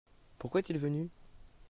Pourquoi est-il venu ?